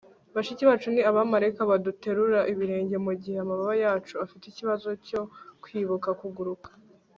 bashiki bacu ni abamarayika baduterura ibirenge mugihe amababa yacu afite ikibazo cyo kwibuka kuguruka